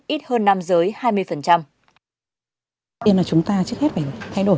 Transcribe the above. ít hơn nam giới hai mươi